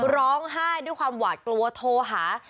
ร้องไห้ด้วยความหวาดกลัวโทรหา